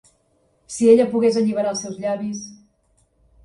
Si ella pogués alliberar els seus llavis!